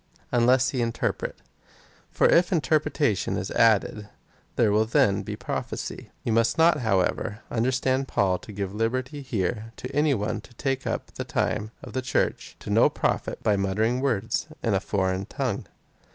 Unless he interpret. For if interpretation is added, there will then be prophecy. You must not, however, understand Paul to give liberty here to any one to take up the time of the Church to no profit by muttering words in a foreign tongue.